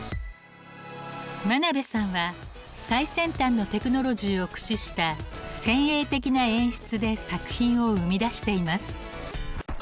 真鍋さんは最先端のテクノロジーを駆使した先鋭的な演出で作品を生み出しています。